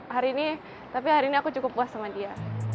hari ini tapi hari ini aku cukup puas sama dia